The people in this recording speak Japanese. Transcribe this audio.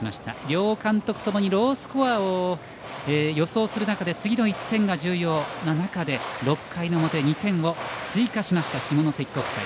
両監督ともにロースコアを予想する中で次の１点が重要な中で６回の表、２点を追加しました下関国際。